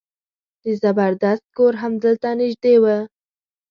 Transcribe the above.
د زبردست کور همدلته نژدې و.